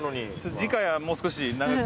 次回はもう少し長く。